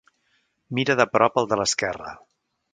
Mira de prop el de l'esquerra.